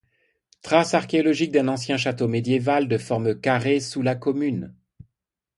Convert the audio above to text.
Traces archéologiques d'un ancien château médiéval, de forme carré, sous la commune.